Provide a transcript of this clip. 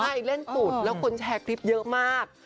ใช่เล่นสุดแล้วคนแชร์คลิปเยอะมาก